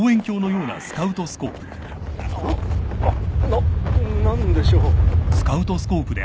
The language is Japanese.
・な何でしょう？